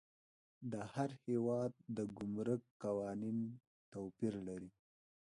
د هر هیواد د ګمرک قوانین توپیر لري.